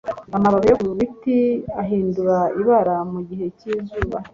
amababi yo ku biti ahindura ibara mu gihe cyizuba